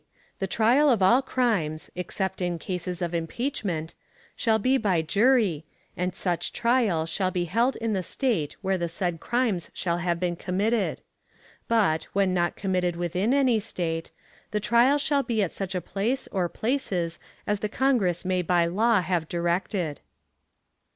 The trial of all crimes, except in cases of impeachment, shall be by jury, and such trial shall be held in the State where the said crimes shall have been committed; but, when not committed within any State, the trial shall be at such place or places as the Congress may by law have directed.